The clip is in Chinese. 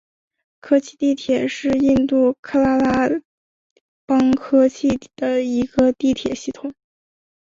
科契地铁是印度喀拉拉邦科契的一个地铁系统。